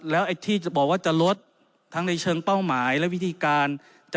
แล้วไอ้ที่จะบอกว่าจะลดทั้งในเชิงเป้าหมายและวิธีการ